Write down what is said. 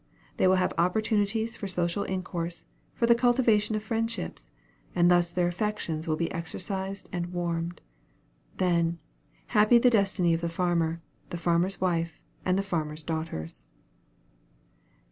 They will have opportunities for social intercourse, for the cultivation of friendships; and thus their affections will be exercised and warmed. Then, happy the destiny of the farmer, the farmer's wife, and the farmer's daughters.